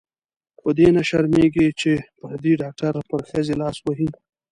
په دې نه شرمېږې چې پردې ډاکټر پر ښځې لاس وهي.